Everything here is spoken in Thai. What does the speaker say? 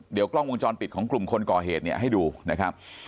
เดี๋ยวกล้องวงจรปิดของกลุ่มคนก่อเหตุเนี่ยให้ดูนะครับ